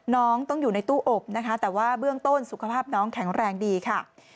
น้องต้องอยู่ในตู้อบนะคะแต่ว่าเบื้องต้นสุขภาพน้องแข็งแรงดีค่ะ